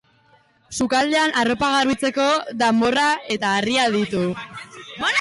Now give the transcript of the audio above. Sukaldean arropa garbitzeko danborra eta harria ditu.